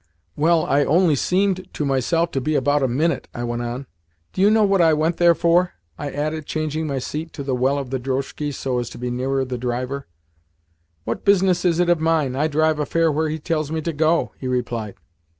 "Well, I only seemed to myself to be about a minute," I went on. "Do you know what I went there for?" I added, changing my seat to the well of the drozhki, so as to be nearer the driver. "What business is it of mine? I drive a fare where he tells me to go," he replied.